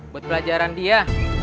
buat pelajaran dia